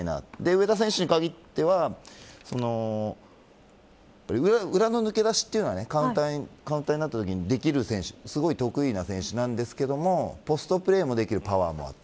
上田選手に限っては裏の抜け出しはカウンターになったときにできる選手得意な選手なんですけどポストプレーもできるパワーもある。